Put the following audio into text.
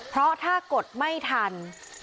เพราะถ้ากดไม่ทัน